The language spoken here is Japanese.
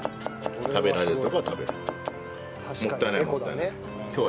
食べられるところは食べる。